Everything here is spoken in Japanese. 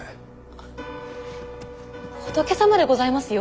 あ仏様でございますよ。